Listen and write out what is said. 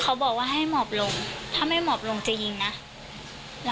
เขาบอกว่าให้หมอบลงถ้าไม่หมอบลงจะยิงนะ